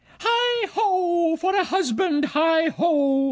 Heigh ho! for a husband! Heigh ho!